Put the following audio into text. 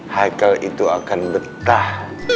haikal itu akan betah